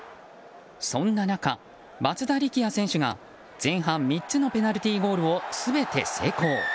そんな中、松田力也選手が前半３つのペナルティーゴールを全て成功。